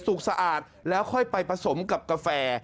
สะอาดแล้วค่อยไปผสมกับกาแฟ